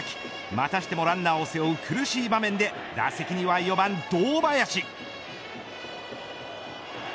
またしてもランナーを背負う苦しい場面で打席には４番堂林。